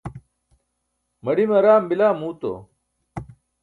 maḍime araam bila muuto